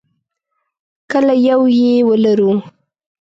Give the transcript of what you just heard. کله یو یې ولرو.